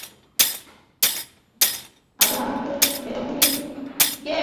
আরে আমি তো এইরকমি, আচ্ছা শোনো।